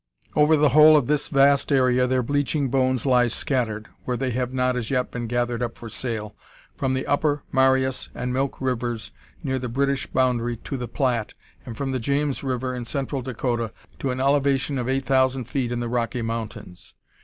Over the whole of this vast area their bleaching bones lie scattered (where they have not as yet been gathered up for sale) from the Upper Marias and Milk Rivers, near the British boundary, to the Platte, and from the James River, in central Dakota, to an elevation of 8,000 feet in the Rocky Mountains.